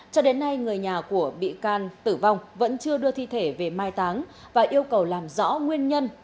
cho đến nay người nhà của bị can tử vong vẫn chưa đưa thi thể về mai táng và yêu cầu làm rõ nguyên nhân